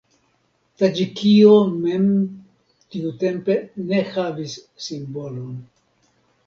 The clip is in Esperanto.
Taĝikio mem tiutempe ne havis simbolon.